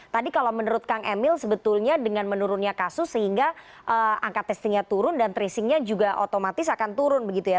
tadi kalau menurut kang emil sebetulnya dengan menurunnya kasus sehingga angka testingnya turun dan tracingnya juga otomatis akan turun begitu ya